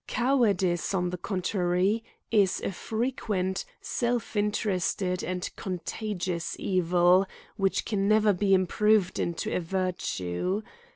Cowardice, on the contrary, is a frequent, self interested, and conta gious evil, which can never be improved into a virtue.